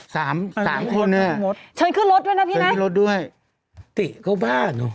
สามสามคนอ่ะเชิญขึ้นรถด้วยนะพี่นะขึ้นรถด้วยติเขาบ้าเนอะ